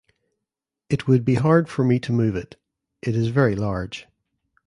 It would be hard for me to move it. It is very large.